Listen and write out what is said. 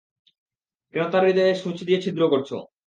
কেন তার হৃদয়ে সূঁচ দিয়ে ছিদ্র করছো?